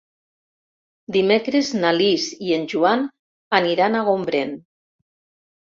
Dimecres na Lis i en Joan aniran a Gombrèn.